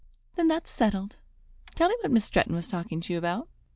"Then that's settled. Tell me what Miss Stretton was talking to you about."